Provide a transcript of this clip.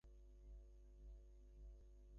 যেটি বাতাসের সাথে দ্রুত ছড়িয়ে পড়ছে।